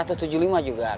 karena harga mah kurang